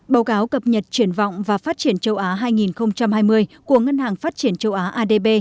báo cáo cập nhật triển vọng và phát triển châu á hai nghìn hai mươi của ngân hàng phát triển châu á adb